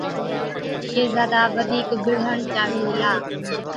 شهزادا بڌِيڪ بِڙهڻ چاوي هِلا۔